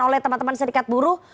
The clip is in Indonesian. oleh teman teman serikat buruh